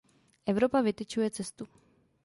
Evropa vytyčuje cestu.